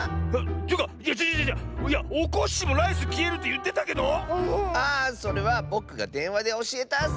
というかいやちがうちがうちがう！いやおこっしぃもライスきえるっていってたけど⁉あそれはぼくがでんわでおしえたッス！